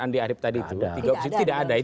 andi arief tadi itu tidak ada